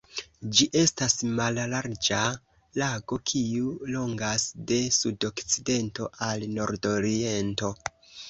Ĝi estas mallarĝa lago kiu longas de sudokcidento al nordoriento.